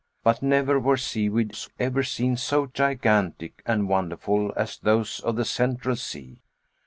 But never were seaweeds ever seen, so gigantic and wonderful as those of the Central Sea.